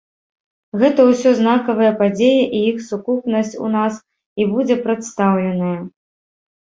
Гэта ўсё знакавыя падзеі і іх сукупнасць у нас і будзе прадстаўленая.